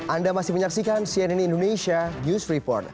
anda masih menyaksikan cnn indonesia news report